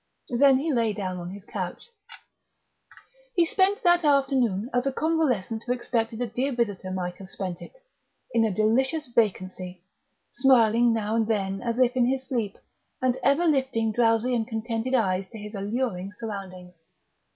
Then he lay down on his couch. He spent that afternoon as a convalescent who expected a dear visitor might have spent it in a delicious vacancy, smiling now and then as if in his sleep, and ever lifting drowsy and contented eyes to his alluring surroundings.